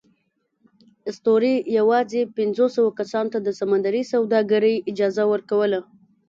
اسطورې یواځې پینځوسوو کسانو ته د سمندري سوداګرۍ اجازه ورکوله.